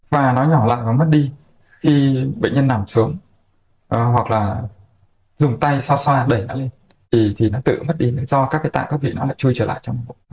và nó nhỏ lại và mất đi khi bệnh nhân nằm xuống hoặc là dùng tay xoa xoa đẩy nó lên thì nó tự mất đi do các cái tạng có vị nó lại trôi trở lại trong bụng